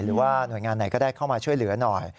หรือว่าหน่วยงานไหนก็ได้เข้ามาช่วยเหลือหน่อย